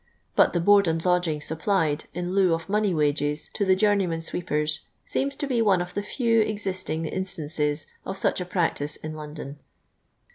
But the ' boaxtt and ludgin:; supplied, in lieu of nKmcy wage^, to the journeymen sweepers, seems to be one of the few existing instances of suclt a practice in , London.